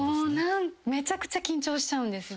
めちゃくちゃ緊張しちゃうんですよね。